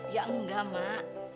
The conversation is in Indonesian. ya enggak mak